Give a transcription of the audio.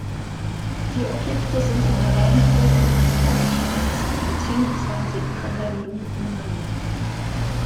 Die Objekte sind in der Reihenfolge ihres Aufschlags beziehungsweise ihrer Landung nummeriert.